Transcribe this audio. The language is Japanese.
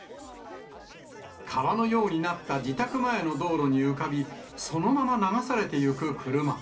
川のようになった自宅前の道路に浮かび、そのまま流されてゆく車。